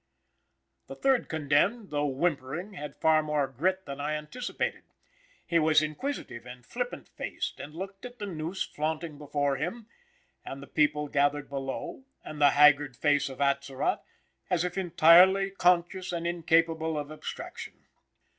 The third condemned, although whimpering, had far more grit than I anticipated; he was inquisitive and flippant faced, and looked at the noose flaunting before him, and the people gathered below, and the haggard face of Atzerott, as if entirely conscious and incapable of abstraction.